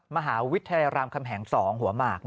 มหาวิทยาลัยรามคำแหง๒หัวหมาก